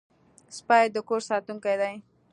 سپي د کور ساتونکي دي.